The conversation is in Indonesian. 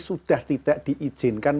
sudah tidak diizinkan